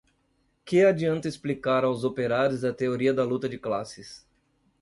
Que adianta explicar aos operários a teoria da luta de classes